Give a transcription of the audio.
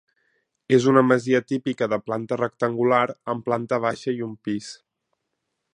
És una masia típica de planta rectangular amb planta baixa i un pis.